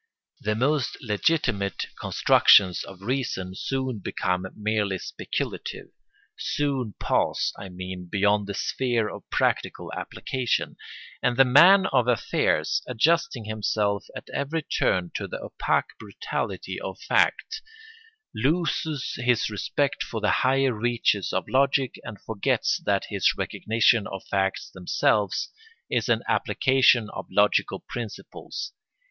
The most legitimate constructions of reason soon become merely speculative, soon pass, I mean, beyond the sphere of practical application; and the man of affairs, adjusting himself at every turn to the opaque brutality of fact, loses his respect for the higher reaches of logic and forgets that his recognition of facts themselves is an application of logical principles.